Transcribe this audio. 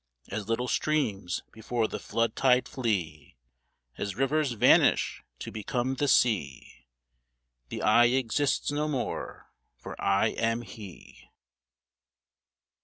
As little streams before the flood tide flee, As rivers vanish to become the sea, The I exists no more, for I AM HE.